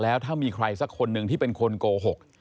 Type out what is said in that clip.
แล้วถ้ามีใครสักคนหนึ่งที่เป็นคนโกหก